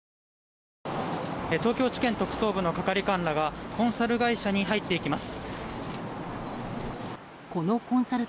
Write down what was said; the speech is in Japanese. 東京地検特捜部の係官らがコンサル会社に入っていきます。